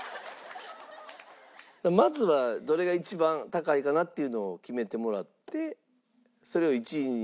まずはどれが一番高いかな？っていうのを決めてもらってそれを１位に。